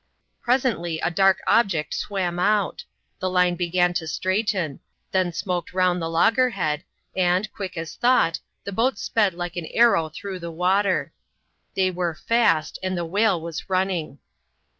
Presently, a dark object swam out; the line began to straighten ; then smoked round the loggerhead, and, quick as thought, the boat sped like an arrow through the water. They were *' fast," and the whale was running.